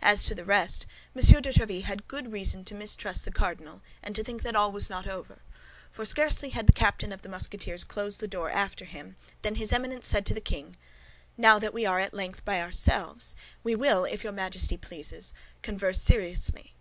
As to the rest, M. de Tréville had good reason to mistrust the cardinal and to think that all was not over, for scarcely had the captain of the Musketeers closed the door after him, than his Eminence said to the king, "Now that we are at length by ourselves, we will, if your Majesty pleases, converse seriously.